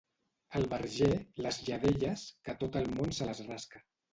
Al Verger, les lladelles, que tot el món se les rasca.